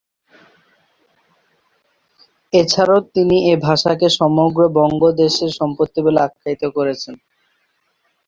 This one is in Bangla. এছাড়াও তিনি এ ভাষাকে সমগ্র বঙ্গদেশের সম্পত্তি বলে আখ্যায়িত করেছেন।